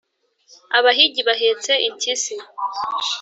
abahigi bahetse impyisi.